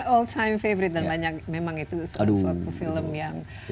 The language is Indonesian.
old time favorite dan memang itu suatu film yang landmark ya